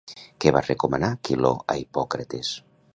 Què va recomanar Quiló a Hipòcrates?